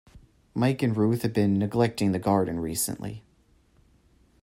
Mike and Ruth have been neglecting the garden recently.